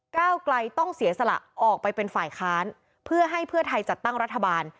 ก้าวไกลต้องเสียสละออกไปเป็นฝ่ายค้านเพื่อให้เพื่อไทยจัดตั้งรัฐบาล